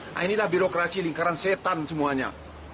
nah inilah birokrasi lingkaran setan semuanya